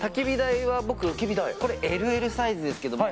これＬＬサイズですけど。